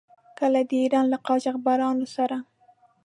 کله د ایران له قاجاریانو سره.